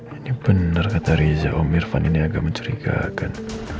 ini bener kata riza om irfan ini agak mencerigakan